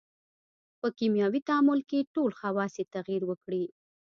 په کیمیاوي تعامل کې ټول خواص یې تغیر وکړي.